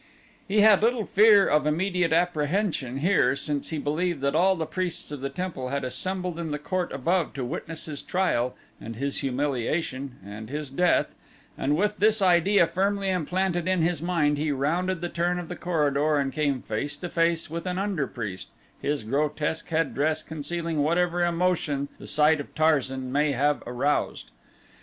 He had little fear of immediate apprehension here since he believed that all the priests of the temple had assembled in the court above to witness his trial and his humiliation and his death, and with this idea firmly implanted in his mind he rounded the turn of the corridor and came face to face with an under priest, his grotesque headdress concealing whatever emotion the sight of Tarzan may have aroused.